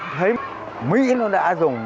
thấy mỹ nó đã dùng